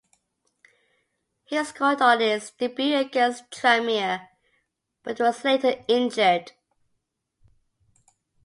He scored on his debut against Tranmere but was later injured.